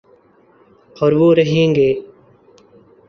اوروہ رہیں گے